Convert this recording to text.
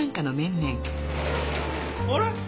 あれ？